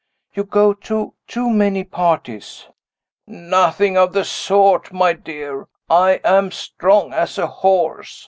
"You go to too many parties." "Nothing of the sort, my dear; I am as strong as a horse.